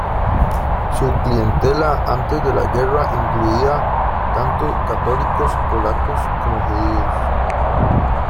Su clientela antes de la guerra incluía tanto católicos polacos como judíos.